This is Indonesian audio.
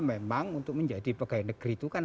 memang untuk menjadi pegawai negeri itu kan